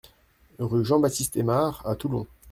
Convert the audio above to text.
Rue Jean Baptiste Aimard à Toulon